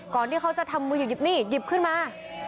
ที่เขาจะทำมือหยิบนี่หยิบขึ้นมา